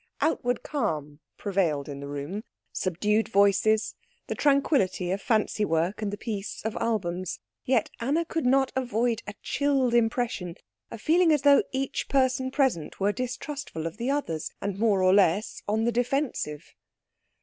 Outward calm prevailed in the room, subdued voices, the tranquillity of fancy work, and the peace of albums; yet Anna could not avoid a chilled impression, a feeling as though each person present were distrustful of the others, and more or less on the defensive.